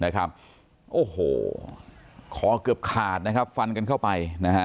ขอเกือบขาดฟันกันเข้าไป